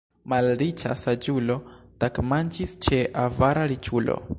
Malriĉa saĝulo tagmanĝis ĉe avara riĉulo.